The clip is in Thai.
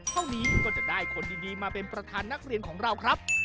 เท่านี้ก็จะได้คนดีมาเป็นประธานนักเรียนของเราครับ